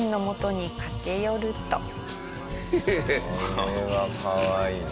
これはかわいいな。